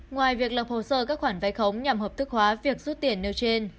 ngoài việc lập hồ sơ các khoản vay khống nhằm hợp thức hóa việc rút tiền nêu trên